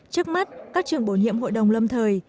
trước mắt các trường bổ nhiệm hội đồng lâm thời